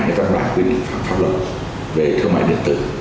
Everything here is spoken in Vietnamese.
để bán hàng quy định pháp luật về thương mại điện tử